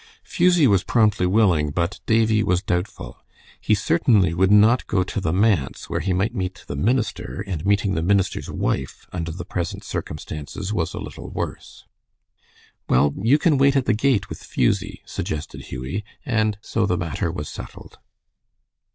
Fusie was promptly willing, but Davie was doubtful. He certainly would not go to the manse, where he might meet the minister, and meeting the minister's wife under the present circumstances was a little worse. "Well, you can wait at the gate with Fusie," suggested Hughie, and so the matter was settled.